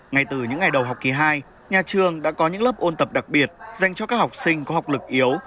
ngay từ những ngày đầu học kỳ hai nhà trường đã có những lớp ôn tập đặc biệt dành cho các học sinh có học lực yếu